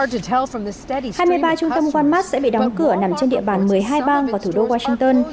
hai mươi ba trung tâm walmart sẽ bị đóng cửa nằm trên địa bàn một mươi hai bang vào thủ đô washington